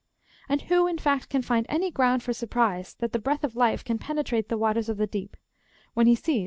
' And who, in fact, can find any ground for sui'prise that the breath of life can penetrate the waters of the deep, when he "" Ora."